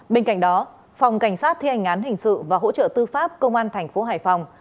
bên cạnh đó phòng cảnh sát thi hành án hình sự và hỗ trợ tư pháp công an thành phố hải phòng